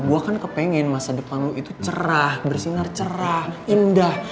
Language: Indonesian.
gue kan kepengen masa depanmu itu cerah bersinar cerah indah